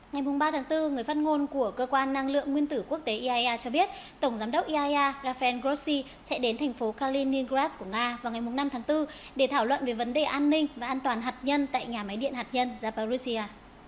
ngày ba bốn người phát ngôn của cơ quan năng lượng nguyên tử quốc tế iaea cho biết tổng giám đốc iaea rafael grossi sẽ đến thành phố kaliningras của nga vào ngày năm tháng bốn để thảo luận về vấn đề an ninh và an toàn hạt nhân tại nhà máy điện hạt nhân zaparuzia